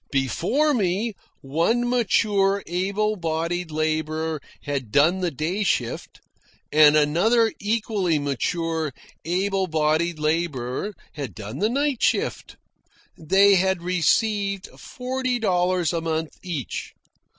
Before me, one mature able bodied labourer had done the day shift and another equally mature able bodied labourer had done the night shift. They had received forty dollars a month each.